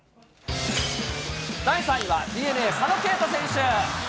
第３位はＤｅＮＡ、佐野恵太選手。